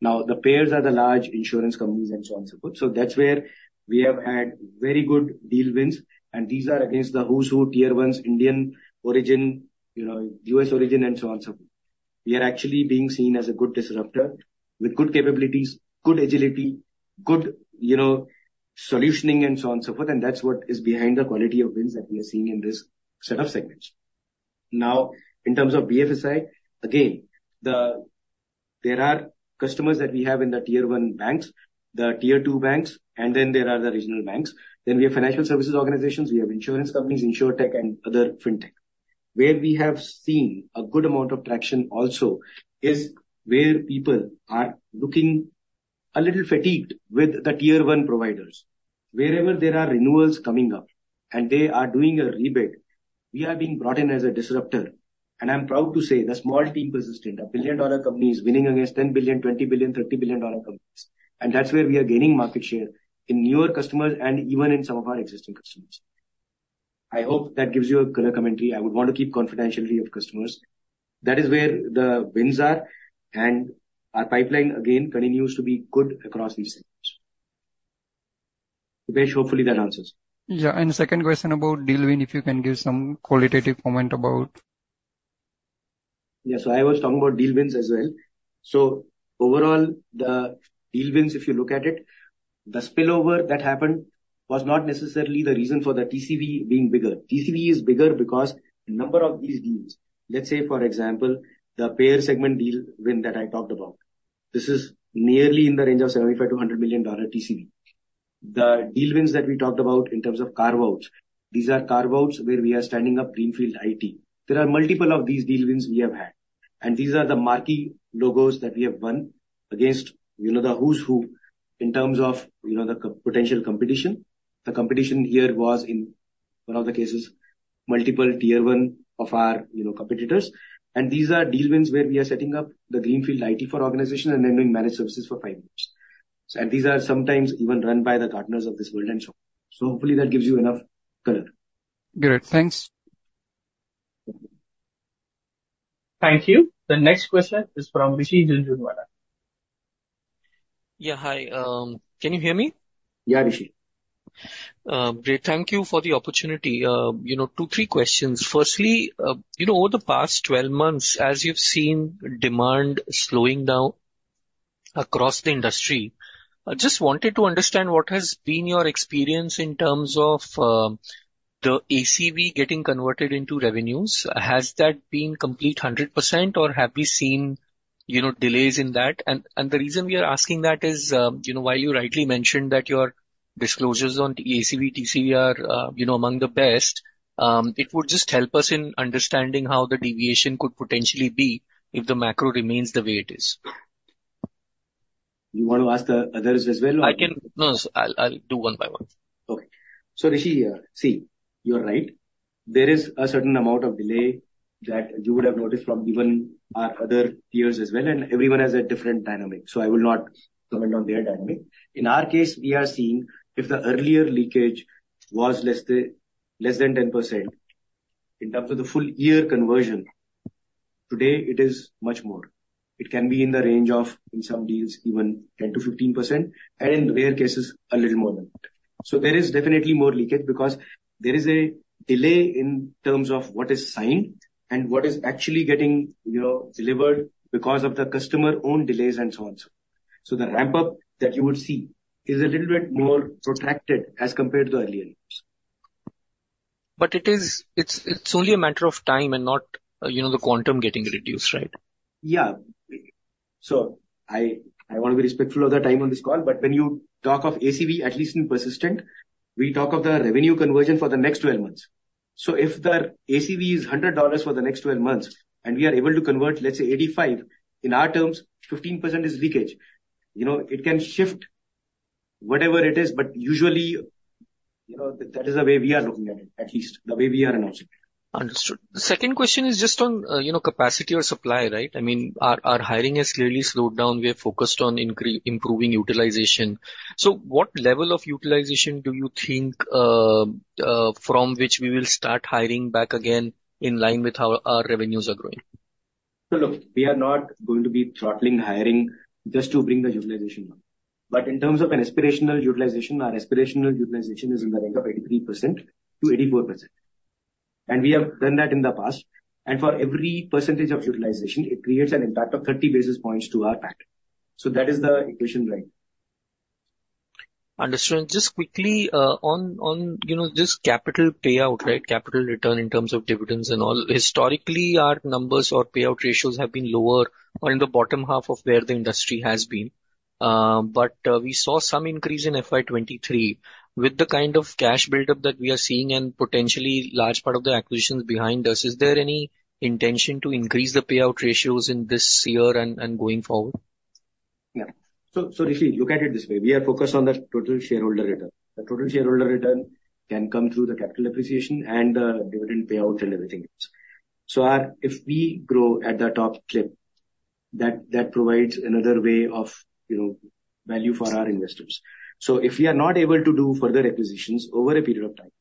Now, the payers are the large insurance companies and so on and so forth. So that's where we have had very good deal wins, and these are against the who's who, tier ones, Indian origin, you know, US origin and so on and so forth. We are actually being seen as a good disruptor with good capabilities, good agility, good, you know, solutioning, and so on, so forth, and that's what is behind the quality of wins that we are seeing in this set of segments. Now, in terms of BFSI, again, there are customers that we have in the tier one banks, the tier two banks, and then there are the regional banks. Then we have financial services organizations, we have insurance companies, InsurTech and other Fintech. Where we have seen a good amount of traction also is where people are looking a little fatigued with the tier one providers. Wherever there are renewals coming up and they are doing a rebid, we are being brought in as a disruptor. And I'm proud to say the small team, Persistent, a billion-dollar company, is winning against 10 billion, 20 billion, 30 billion dollar companies. That's where we are gaining market share in newer customers and even in some of our existing customers. I hope that gives you a clear commentary. I would want to keep confidentiality of customers. That is where the wins are, and our pipeline again, continues to be good across these segments. Rakesh, hopefully that answers. Yeah, and the second question about deal win, if you can give some qualitative comment about? Yeah. So I was talking about deal wins as well. So overall, the deal wins, if you look at it, the spillover that happened was not necessarily the reason for the TCV being bigger. TCV is bigger because the number of these deals, let's say for example, the payer segment deal win that I talked about, this is nearly in the range of $75-$100 million TCV. The deal wins that we talked about in terms of carve-outs, these are carve-outs where we are standing up greenfield IT. There are multiple of these deal wins we have had, and these are the marquee logos that we have won against, you know, the who's who in terms of, you know, the co-potential competition. The competition here was, in one of the cases, multiple tier one of our, you know, competitors. These are deal wins where we are setting up the greenfield IT for organization and then doing managed services for five years. And these are sometimes even run by the partners of this world and so on. Hopefully that gives you enough color. Great, thanks. Thank you. The next question is from Rishi Jhunjhunwala. Yeah, hi. Can you hear me? Yeah, Rishi. Great. Thank you for the opportunity. You know, two, three questions. Firstly, you know, over the past 12 months, as you've seen demand slowing down across the industry, I just wanted to understand what has been your experience in terms of, the ACV getting converted into revenues. Has that been complete 100%, or have we seen, you know, delays in that? And the reason we are asking that is, you know, while you rightly mentioned that your disclosures on ACV, TCV are, you know, among the best, it would just help us in understanding how the deviation could potentially be if the macro remains the way it is. You want to ask the others as well? I can... No, I'll, I'll do one by one. Okay. So, Rishi, see, you're right. There is a certain amount of delay that you would have noticed from even our other peers as well, and everyone has a different dynamic, so I will not comment on their dynamic. In our case, we are seeing if the earlier leakage was less than, less than 10%, in terms of the full year conversion, today it is much more. It can be in the range of, in some deals, even 10%-15%, and in rare cases, a little more than that. So there is definitely more leakage because there is a delay in terms of what is signed and what is actually getting, you know, delivered because of the customer own delays and so on so. So the ramp-up that you would see is a little bit more protracted as compared to the earlier years. But it is, it's, it's only a matter of time and not, you know, the quantum getting reduced, right? Yeah. So I want to be respectful of the time on this call, but when you talk of ACV, at least in Persistent, we talk of the revenue conversion for the next 12 months. So if the ACV is $100 for the next 12 months, and we are able to convert, let's say, 85, in our terms, 15% is leakage. You know, it can shift whatever it is, but usually, you know, that is the way we are looking at it, at least the way we are in ACV. Understood. The second question is just on, you know, capacity or supply, right? I mean, our hiring has clearly slowed down. We are focused on improving utilization. So what level of utilization do you think, from which we will start hiring back again in line with how our revenues are growing? So look, we are not going to be throttling hiring just to bring the utilization down. But in terms of an aspirational utilization, our aspirational utilization is in the range of 83%-84%, and we have done that in the past. For every percentage of utilization, it creates an impact of 30 basis points to our PAT. That is the equation right. Understood. Just quickly, on, you know, just capital payout, right? Capital return in terms of dividends and all. Historically, our numbers or payout ratios have been lower or in the bottom half of where the industry has been. But, we saw some increase in FY 2023. With the kind of cash buildup that we are seeing and potentially large part of the acquisitions behind us, is there any intention to increase the payout ratios in this year and going forward? Yeah. So, so Rishi, look at it this way, we are focused on the total shareholder return. The total shareholder return can come through the capital appreciation and the dividend payout and everything else. So, our, if we grow at the top clip, that, that provides another way of, you know, value for our investors. So if we are not able to do further acquisitions over a period of time,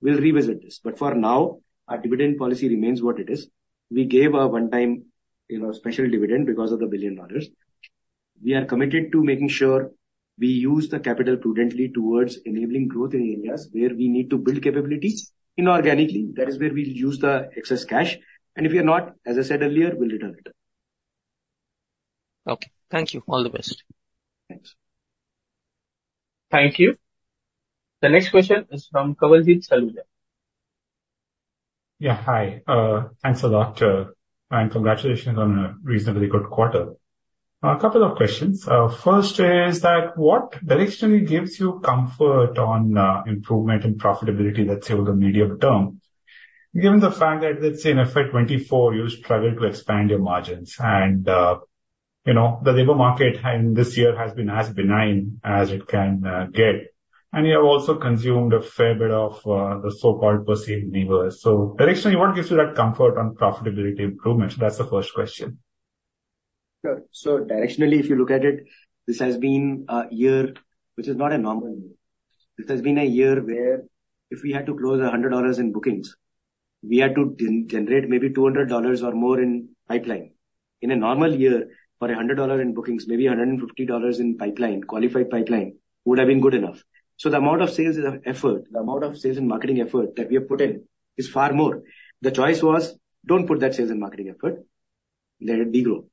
we'll revisit this. But for now, our dividend policy remains what it is. We gave a one-time, you know, special dividend because of the $1 billion. We are committed to making sure we use the capital prudently towards enabling growth in areas where we need to build capabilities inorganically. That is where we'll use the excess cash, and if we are not, as I said earlier, we'll return it. Okay. Thank you. All the best. Thanks. Thank you. The next question is from Kawaljeet Saluja. Yeah, hi. Thanks a lot, and congratulations on a reasonably good quarter. A couple of questions. First is that what directionally gives you comfort on, improvement in profitability, let's say, over the medium term? Given the fact that, let's say, in FY24, you struggled to expand your margins and, you know, the labor market and this year has been as benign as it can, get, and you have also consumed a fair bit of, the so-called perceived levers. So directionally, what gives you that comfort on profitability improvements? That's the first question. Sure. So directionally, if you look at it, this has been a year which is not a normal year. This has been a year where if we had to close $100 in bookings, we had to generate maybe $200 or more in pipeline. In a normal year, for $100 in bookings, maybe $150 in pipeline, qualified pipeline, would have been good enough. So the amount of sales and effort, the amount of sales and marketing effort that we have put in is far more. The choice was, don't put that sales and marketing effort, let it degrow.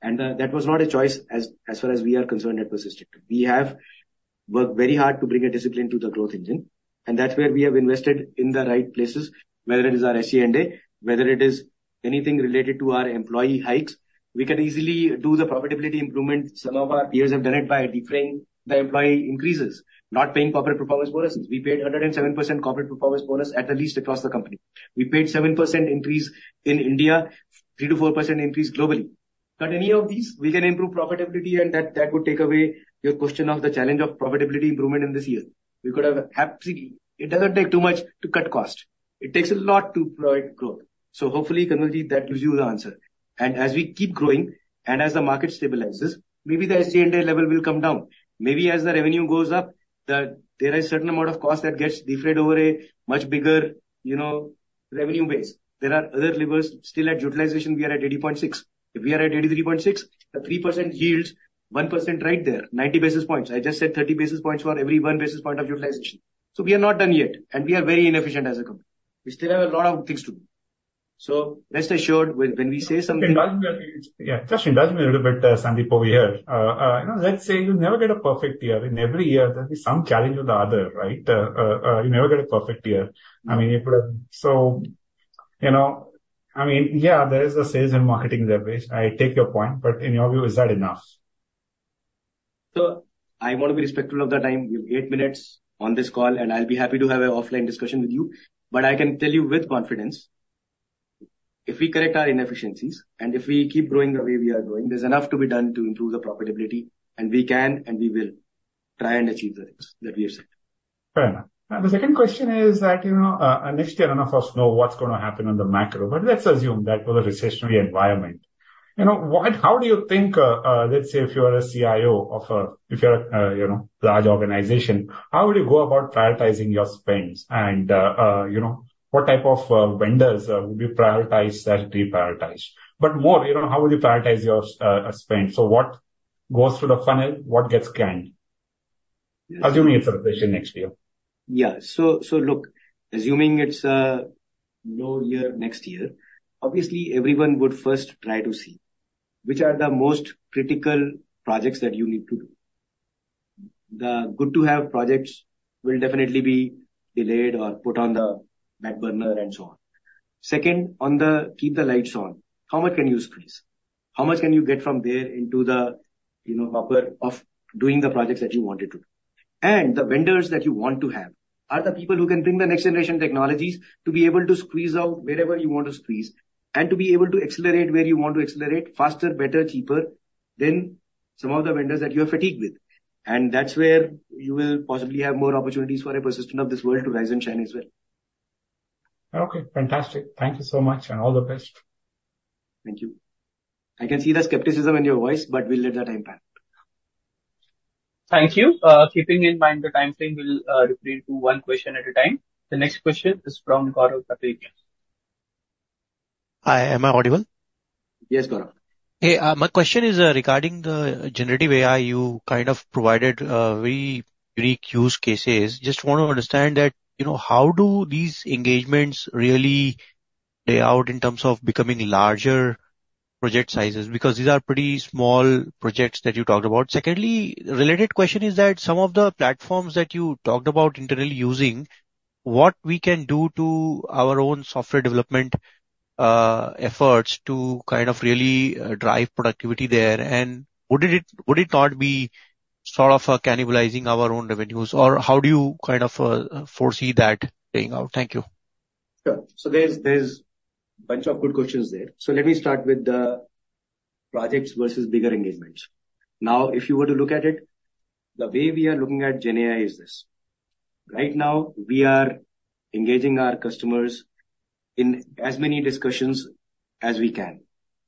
And that was not a choice as far as we are concerned at Persistent. We have worked very hard to bring a discipline to the growth engine, and that's where we have invested in the right places, whether it is our SG&A, whether it is anything related to our employee hikes. We can easily do the profitability improvement some of our peers have done it by deferring the employee increases, not paying corporate performance bonuses. We paid 107% corporate performance bonus at least across the company. We paid 7% increase in India, 3%-4% increase globally. Cut any of these, we can improve profitability, and that, that would take away your question of the challenge of profitability improvement in this year. We could have happily... It doesn't take too much to cut cost. It takes a lot to provide growth. So hopefully, Kanwaljit, that gives you the answer. As we keep growing, and as the market stabilizes, maybe the SG&A level will come down. Maybe as the revenue goes up, there is certain amount of cost that gets defrayed over a much bigger, you know, revenue base. There are other levers. Still at utilization, we are at 80.6. If we are at 83.6, the 3% yields 1% right there, 90 basis points. I just said 30 basis points for every 1 basis point of utilization. So we are not done yet, and we are very inefficient as a company. We still have a lot of things to do. So rest assured, when we say something- It does, yeah, just indulge me a little bit, Sandeep, over here. You know, let's say you never get a perfect year. In every year, there'll be some challenge or the other, right? You never get a perfect year. I mean, so, you know, I mean, yeah, there is a sales and marketing leverage. I take your point, but in your view, is that enough? So I want to be respectful of the time. We have eight minutes on this call, and I'll be happy to have an offline discussion with you. But I can tell you with confidence, if we correct our inefficiencies, and if we keep growing the way we are growing, there's enough to be done to improve the profitability, and we can, and we will try and achieve the things that we have said. Fair enough. The second question is that, you know, next year, none of us know what's gonna happen on the macro, but let's assume that was a recessionary environment. You know, how do you think, let's say if you are a CIO of a, if you're a, you know, large organization, how would you go about prioritizing your spends? And, you know, what type of vendors would you prioritize and deprioritize? But more, you know, how would you prioritize your spends? So what goes through the funnel, what gets canned? Assuming it's a recession next year. Yeah. So, look, assuming it's a low year next year, obviously everyone would first try to see which are the most critical projects that you need to do. The good-to-have projects will definitely be delayed or put on the back burner and so on. Second, on the keep the lights on, how much can you squeeze? How much can you get from there into the, you know, buffer of doing the projects that you wanted to do? And the vendors that you want to have are the people who can bring the next-generation technologies to be able to squeeze out wherever you want to squeeze, and to be able to accelerate where you want to accelerate faster, better, cheaper than some of the vendors that you are fatigued with. That's where you will possibly have more opportunities for a Persistent of this world to rise and shine as well. Okay, fantastic. Thank you so much, and all the best. Thank you. I can see the skepticism in your voice, but we'll let the time pass. Thank you. Keeping in mind the time frame, we'll refrain to one question at a time. The next question is from Gaurav Patel. Hi, am I audible? Yes, Gaurav. Hey, my question is regarding the generative AI. You kind of provided very unique use cases. Just want to understand that, you know, how do these engagements really play out in terms of becoming larger project sizes? Because these are pretty small projects that you talked about. Secondly, related question is that some of the platforms that you talked about internally using, what we can do to our own software development efforts to kind of really drive productivity there, and would it, would it not be sort of cannibalizing our own revenues, or how do you kind of foresee that playing out? Thank you. Sure. So there's a bunch of good questions there. So let me start with the projects versus bigger engagements. Now, if you were to look at it, the way we are looking at GenAI is this: right now, we are engaging our customers in as many discussions as we can,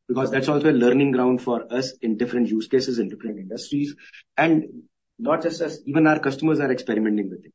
because that's also a learning ground for us in different use cases, in different industries. And not just us, even our customers are experimenting with it.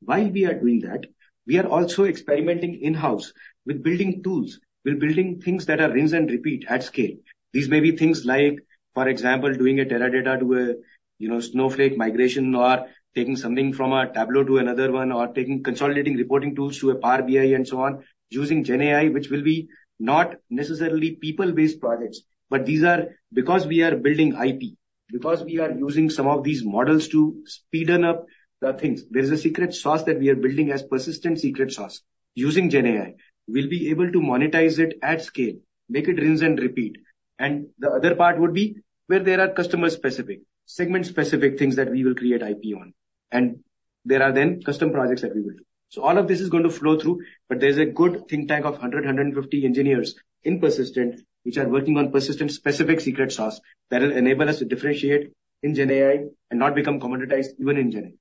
While we are doing that, we are also experimenting in-house with building tools. We're building things that are rinse and repeat at scale. These may be things like, for example, doing a Teradata to a, you know, Snowflake migration, or taking something from a Tableau to another one, or taking consolidating reporting tools to a Power BI and so on, using GenAI, which will be not necessarily people-based projects. But these are because we are building IP, because we are using some of these models to speed up the things. There's a secret sauce that we are building as Persistent secret sauce using GenAI. We'll be able to monetize it at scale, make it rinse and repeat. And the other part would be where there are customer-specific, segment-specific things that we will create IP on, and there are then custom projects that we will do. So all of this is going to flow through, but there's a good think tank of 150 engineers in Persistent, which are working on Persistent-specific secret sauce that will enable us to differentiate in GenAI and not become commoditized, even in GenAI.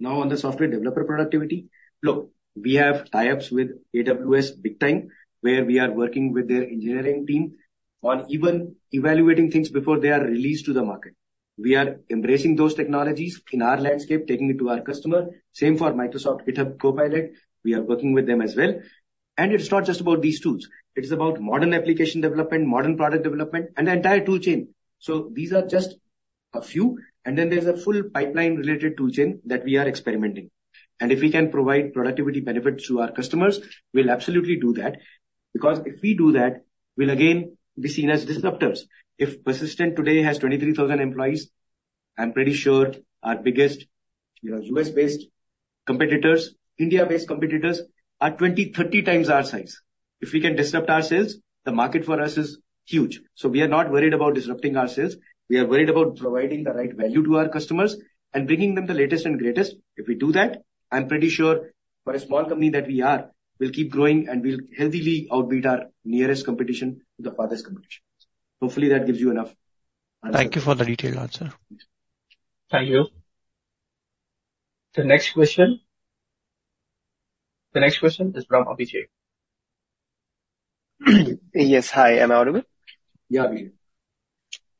Now, on the software developer productivity. Look, we have tie-ups with AWS big time, where we are working with their engineering team on even evaluating things before they are released to the market. We are embracing those technologies in our landscape, taking it to our customer. Same for Microsoft GitHub Copilot. We are working with them as well. And it's not just about these tools. It is about modern application development, modern product development, and the entire tool chain. So these are just a few. And then there's a full pipeline-related tool chain that we are experimenting. And if we can provide productivity benefits to our customers, we'll absolutely do that, because if we do that, we'll again be seen as disruptors. If Persistent today has 23,000 employees, I'm pretty sure our biggest, you know, U.S.-based competitors, India-based competitors, are 20, 30 times our size. If we can disrupt our sales, the market for us is huge. So we are not worried about disrupting our sales. We are worried about providing the right value to our customers and bringing them the latest and greatest. If we do that, I'm pretty sure for a small company that we are, we'll keep growing and we'll healthily outwit our nearest competition to the farthest competition. Hopefully, that gives you enough answer. Thank you for the detailed answer. Thank you. The next question... The next question is from Abhishek. Yes. Hi, am I audible? Yeah, we hear you. Hi.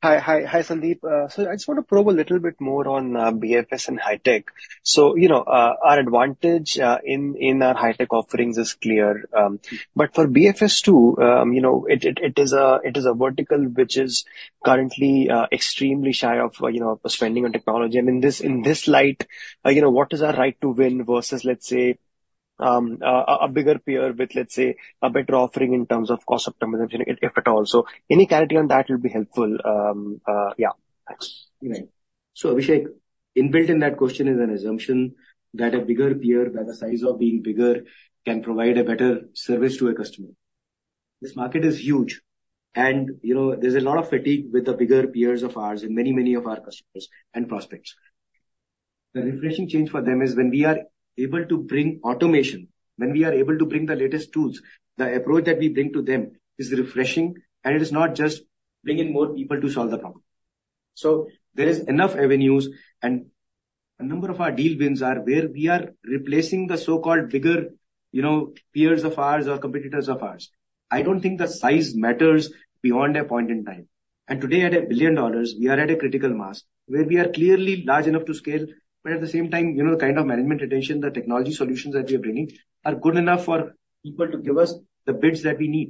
Hi, Sandeep. So I just want to probe a little bit more on BFS and high tech. So, you know, our advantage in our high tech offerings is clear. But for BFS, too, you know, it is a vertical which is currently extremely shy of, you know, spending on technology. I mean, in this light, you know, what is our right to win versus, let's say, a bigger peer with, let's say, a better offering in terms of cost optimization, if at all? So any clarity on that will be helpful. Yeah. Thanks. Right. So, Abhishek, inbuilt in that question is an assumption that a bigger peer, by the size of being bigger, can provide a better service to a customer. This market is huge, and, you know, there's a lot of fatigue with the bigger peers of ours and many, many of our customers and prospects. The refreshing change for them is when we are able to bring automation, when we are able to bring the latest tools, the approach that we bring to them is refreshing, and it is not just bring in more people to solve the problem. So there is enough avenues, and a number of our deal wins are where we are replacing the so-called bigger, you know, peers of ours or competitors of ours. I don't think the size matters beyond a point in time. Today, at $1 billion, we are at a critical mass, where we are clearly large enough to scale, but at the same time, you know, the kind of management attention, the technology solutions that we are bringing are good enough for people to give us the bids that we need.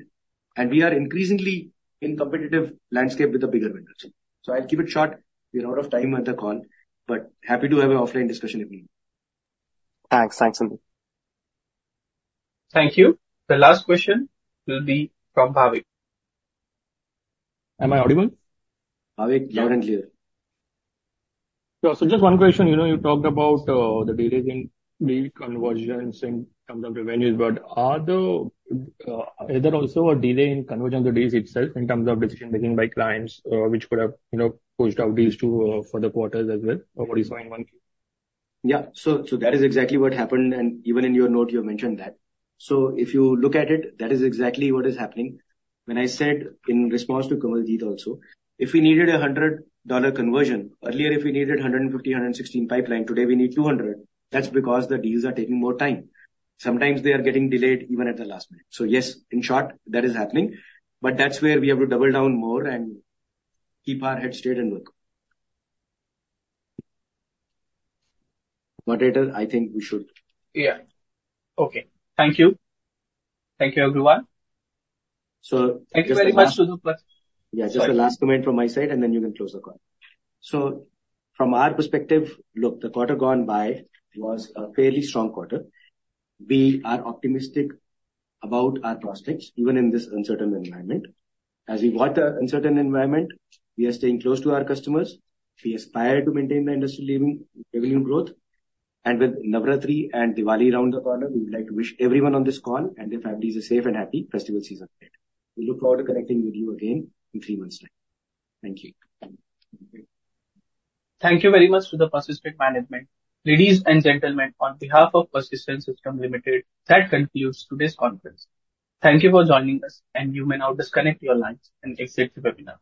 We are increasingly in competitive landscape with the bigger vendors. So I'll keep it short. We are out of time on the call, but happy to have an offline discussion if needed. Thanks. Thanks, Sandeep. Thank you. The last question will be from Bhavik. Am I audible? Bhavik, loud and clear. Yeah. So just one question. You know, you talked about the delays in deal convergence in terms of revenues, but are there, is there also a delay in conversion of the deals itself, in terms of decision making by clients, which could have, you know, pushed out deals to further quarters as well, or what do you saw in 1Q? Yeah. So, so that is exactly what happened, and even in your note, you have mentioned that. So if you look at it, that is exactly what is happening. When I said in response to Kawaljeet also, if we needed a $100 conversion, earlier, if we needed 150, 116 pipeline, today we need 200. That's because the deals are taking more time. Sometimes they are getting delayed even at the last minute. So yes, in short, that is happening, but that's where we have to double down more and keep our head straight and work. Moderator, I think we should. Yeah. Okay. Thank you. Thank you, everyone. So- Thank you very much, Sandeep. Yeah, just a last comment from my side, and then you can close the call. So from our perspective, look, the quarter gone by was a fairly strong quarter. We are optimistic about our prospects, even in this uncertain environment. As we watch the uncertain environment, we are staying close to our customers. We aspire to maintain the industry-leading revenue growth, and with Navratri and Diwali around the corner, we would like to wish everyone on this call and their families a safe and happy festival season ahead. We look forward to connecting with you again in three months' time. Thank you. Thank you very much to the Persistent management. Ladies and gentlemen, on behalf of Persistent Systems Limited, that concludes today's conference. Thank you for joining us, and you may now disconnect your lines and exit the webinar.